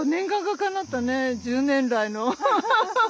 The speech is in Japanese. １０年来の。